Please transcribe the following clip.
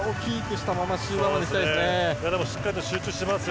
しっかりと集中してますよ。